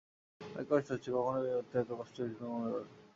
অনেক কষ্ট হয়েছে, কখনো বেয়ে উঠতে এত কষ্ট হয়েছিল বলে মনে পড়ে না।